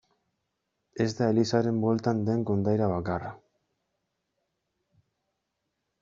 Ez da elizaren bueltan den kondaira bakarra.